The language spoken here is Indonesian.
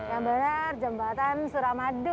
yang benar jembatan suramadu